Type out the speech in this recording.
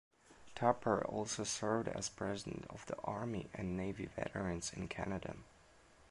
Tupper also served as president of the Army and Navy Veterans in Canada.